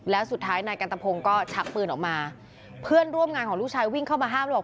แล้วสุดท้ายนายกันตะพงศ์ก็ชักปืนออกมาเพื่อนร่วมงานของลูกชายวิ่งเข้ามาห้ามแล้วบอก